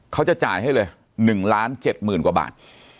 เขาจะจ่ายให้เลย๑ล้าน๗หมื่นกว่าบาท